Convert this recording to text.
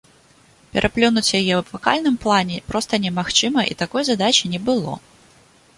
Пераплюнуць яе ў вакальным плане проста немагчыма і такой задачы не было.